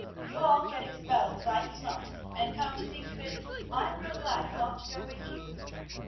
You'll all get expelled, as like as not, and, come to think of it, I'm real glad I'm not to go with you."